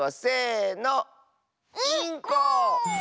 インコ！